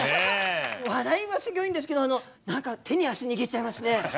笑いもすギョいんですけど何か手に汗握っちゃいますね。